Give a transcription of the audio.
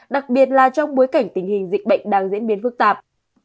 đặc biệt là trong bối cảnh tình hình dịch bệnh đang diễn biến phức tạp